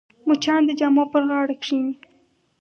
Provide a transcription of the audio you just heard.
مچان د جامو پر غاړه کښېني